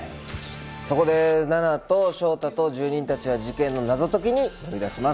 そこで菜奈と翔太と住人たちは事件の謎解きに乗り出します。